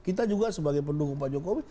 kita juga sebagai pendukung pak jokowi